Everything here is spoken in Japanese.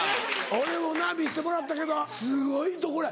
俺もな見せてもらったけどすごいとこや。